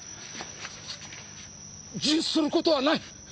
自首する事はない！